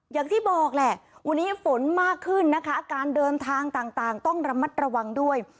อย่างที่บอกแหละวันนี้ฝนมากขึ้นนะคะการเดินทางต่างต้องระมัดระวังด้วย